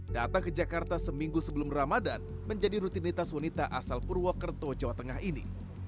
datang ke jakarta seminggu sebelum ramadan menjadi rutinitas wanita asal purwokerto jawa tengah ini